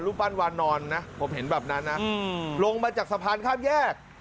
ปั้นวานอนนะผมเห็นแบบนั้นนะลงมาจากสะพานข้ามแยก